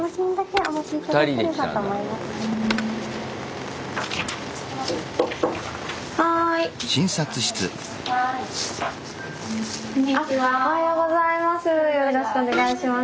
おはようございます。